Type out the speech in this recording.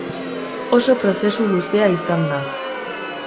Oso prozesu luzea izan da.